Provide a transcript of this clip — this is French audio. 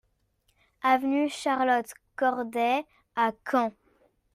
Avenue Charlotte Corday à Caen